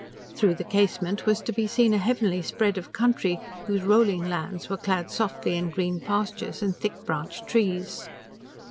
Through the casement was to be seen a heavenly spread of country, whose rolling lands were clad softly in green pastures and thick branched trees.